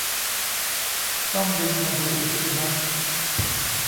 ต้องบินมาดูอีกสินะ